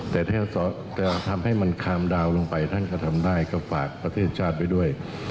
แต่ถ้าจะทำให้มันคามดาวนลงไปท่านก็ทำได้ก็ฝากประเทศชาติไปด้วย